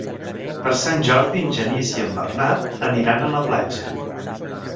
Per Sant Jordi en Genís i en Bernat aniran a la platja.